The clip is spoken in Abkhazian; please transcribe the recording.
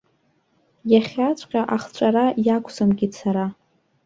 Иахьаҵәҟьа ахҵәара иақәсымкит сара.